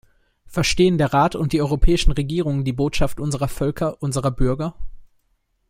Verstehen der Rat und die europäischen Regierungen die Botschaft unserer Völker, unserer Bürger?